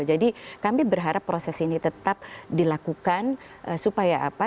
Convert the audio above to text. jadi kami berharap proses ini tetap dilakukan supaya apa